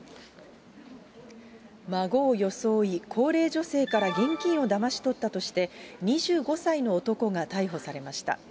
孫を装い、高齢女性から現金をだまし取ったとして、２５歳の男が逮捕されました。